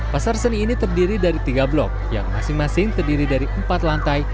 pasar seni ini terdiri dari tiga blok yang masing masing terdiri dari empat lantai